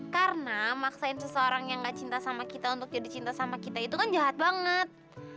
karena maksain seseorang yang gak cinta sama kita untuk jadi cinta sama kita itu kan jahat banget